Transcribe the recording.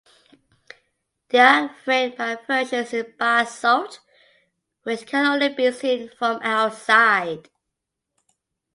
They are framed by versions in basalt which can only be seen from outside.